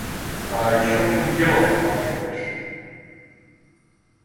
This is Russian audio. Ещё в чём дело спрашиваешь.